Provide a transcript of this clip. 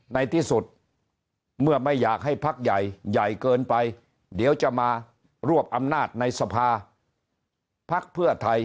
ในที่สุดเมื่อไม่อยากให้พักใหญ่ใหญ่เกินไปเดี๋ยวจะมารวบอำนาจในสภาพักเพื่อไทย